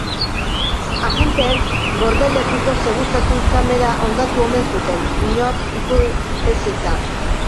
Agenteek gordelekuko segurtasun-kamera hondatu omen zuten, inork ikus ez zitzan.